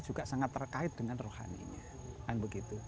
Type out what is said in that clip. juga sangat terkait dengan rohaninya